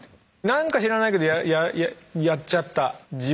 なんか知らないけどやっちゃった。